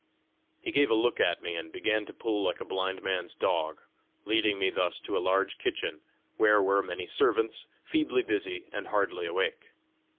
He gave a look at me, and began to pull like a blind man's dog, leading me thus to a large kitchen, where were many servants, feebly busy, and hardly awake.